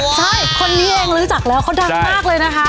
ใช่คนนี้เองรู้จักแล้วเขาดังมากเลยนะคะ